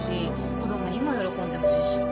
子供にも喜んでほしいし。